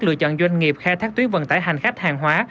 lựa chọn doanh nghiệp khai thác tuyến vận tải hành khách hàng hóa